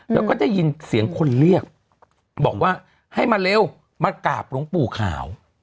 แล้วก็ได้ยินเสียงคนเรียกบอกว่าให้มาเร็วมากราบหลวงปู่ขาว